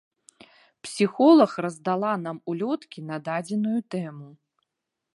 Псіхолаг раздала нам улёткі на дадзеную тэму.